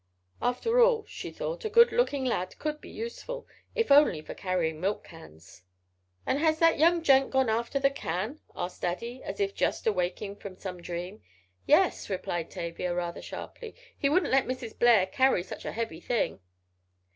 After all, she thought, a good looking lad could be useful, if only for carrying milk cans. "And has that young gent gone after the can?" asked Daddy, as if just awaking from some dream. "Yes," Tavia replied, rather sharply. "He wouldn't let Mrs. Blair carry such a heavy thing."